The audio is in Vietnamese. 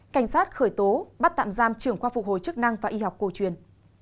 cảnh sát khởi tố bắt tạm giam trưởng qua phục hồi chức năng và y học cầu truyền